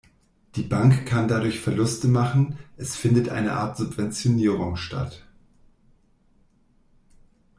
Die Bank kann dadurch Verluste machen, es findet eine Art Subventionierung statt.